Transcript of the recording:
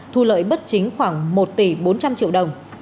thu lợi bất chính khoảng một tỷ bốn trăm linh triệu đồng